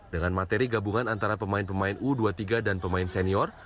dengan materi gabungan antara pemain pemain u dua puluh tiga dan pemain senior